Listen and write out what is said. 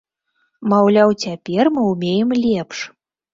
Маўляў, цяпер мы ўмеем лепш.